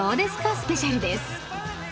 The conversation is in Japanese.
スペシャルです］